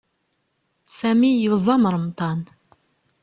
Sami yuẓam Remḍan.